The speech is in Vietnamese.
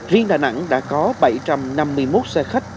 riêng đà nẵng đã có bảy trăm năm mươi một xe khách